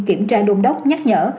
kiểm tra đôn đốc nhắc nhở